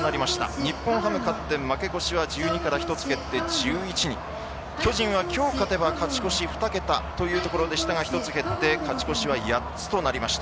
日本ハム勝って負け越しが１２から１つ減って１１に巨人がきょう勝てば勝ち越し２桁というところでしたが１つ減って勝ち越しが８つとなりました。